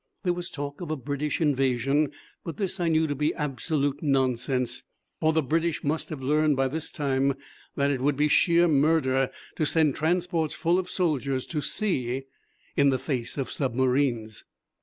There was talk of a British invasion, but this I knew to be absolute nonsense, for the British must have learned by this time that it would be sheer murder to send transports full of soldiers to sea in the face of submarines.